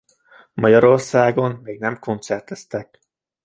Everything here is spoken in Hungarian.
Magyarországon még nem koncerteztek.